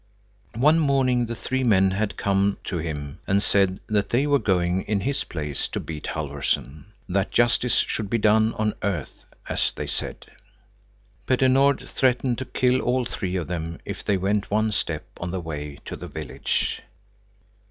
One morning the three men had come to him and said that they were going in his place to beat Halfvorson, "that justice should be done on earth," as they said. Petter Nord threatened to kill all three of them if they went one step on the way to the village.